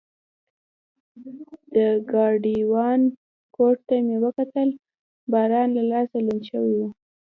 د ګاډیوان کوټ ته مې وکتل، باران له لاسه لوند شوی و.